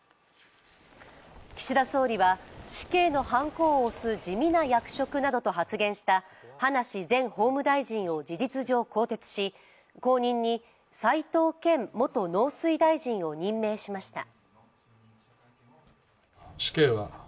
岸田総理は、死刑のはんこを押す地味な役職などと発言した葉梨前法務大臣を事実上更迭し後任に齋藤健元農水大臣を任命しました。